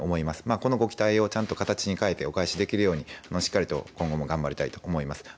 このご期待をちゃんと形に変えてお返しできるようにしっかり今後も頑張りたいと思います。